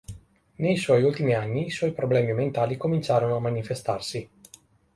Nei suoi ultimi anni, i suoi problemi mentali cominciarono a manifestarsi.